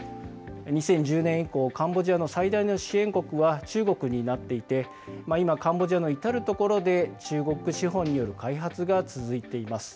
２０１０年以降、カンボジアの最大の支援国は中国になっていて、今、カンボジアの至る所で中国資本による開発が続いています。